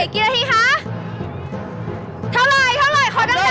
๕๐กว่าแล้วเร็ว